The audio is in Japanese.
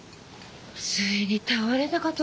ついに倒れたかと思ったわよ。